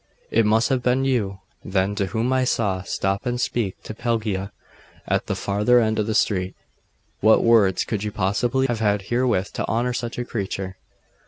'It must have been you, then, whom I saw stop and speak to Pelagia at the farther end of the street. What words could you possibly have had wherewith to honour such a creature?